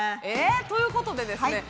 ということでですね